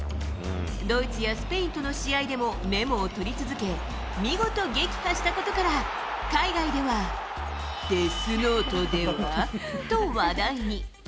ドイツやスペインとの試合でもメモを取り続け、見事撃破したことから、海外ではデスノートでは？と話題に。